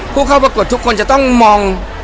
ผู้เข้าประกวดทุกคนจะต้องมอง